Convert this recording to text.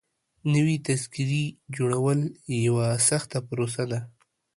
نوي تذکيري جوړول يوه سخته پروسه ده.